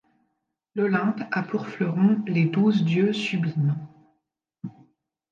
L’Olympe a pour fleurons les douze dieux sublimes.